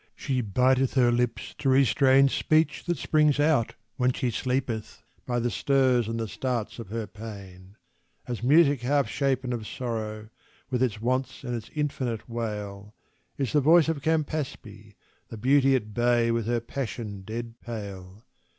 She biteth her lips to restrain Speech that springs out when she sleepeth, by the stirs and the starts of her pain. As music half shapen of sorrow, with its wants and its infinite wail, Is the voice of Campaspe, the beauty at bay with her passion dead pale.